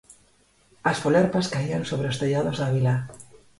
As folerpas caían sobre os tellados da vila